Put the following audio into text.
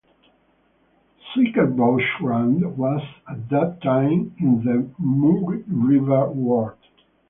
Suikerbosrand was at that time in the Mooirivier Ward.